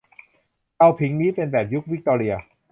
เตาผิงนี้เป็นแบบยุควิคตอเรีย